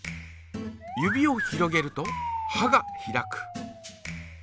指を広げるとはが開く。